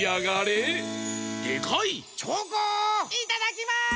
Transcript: いただきます！